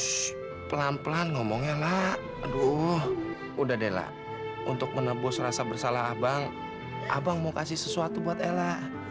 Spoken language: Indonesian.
terus pelan pelan ngomongnya nak aduh udah deh lah untuk menebus rasa bersalah abang abang mau kasih sesuatu buat ella